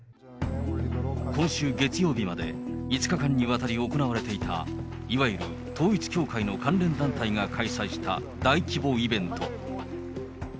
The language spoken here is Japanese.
今週月曜日まで５日間にわたり行われていた、いわゆる統一教会の関連団体が開催した大規模イベント。